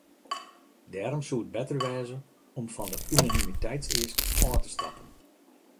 Dêrom soe it better wêze om fan de unanimiteitseask ôf te stappen.